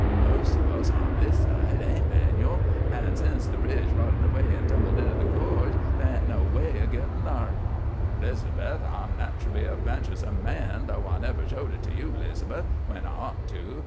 _Most of us on this side hain't, 'Manuel; an' since the bridge rotted away an' tumbled into the gorge, there ain't no way o' gittin' thar_. 'Liz'beth, I'm nat'rally a venturesome man, though I never showed it to you, 'Liz'beth, when I ought to.